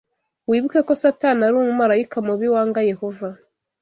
Wibuke ko Satani ari umumarayika mubi wanga Yehova